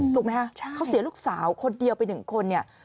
ถูกไหมคะเขาเสียลูกสาวคนเดียวไป๑คนเนี่ย